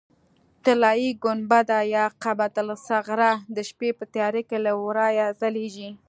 طلایي ګنبده یا قبة الصخره د شپې په تیاره کې له ورایه ځلېږي.